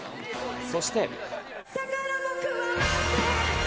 そして。